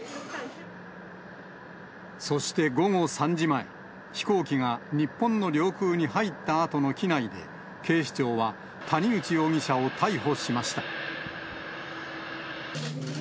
そして午後３時前、飛行機が日本の領空に入ったあとの機内で、警視庁は谷口容疑者を逮捕しました。